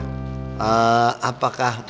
sempet lupa tadi